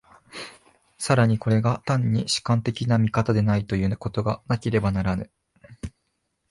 更にこれが単に主観的な見方でないということがなければならぬ。